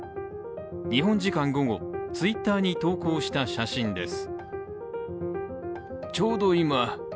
日本時間午後、Ｔｗｉｔｔｅｒに投稿した写真です。